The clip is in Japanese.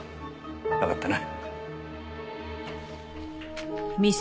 わかったな。